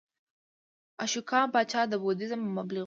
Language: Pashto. اشوکا پاچا د بودیزم مبلغ و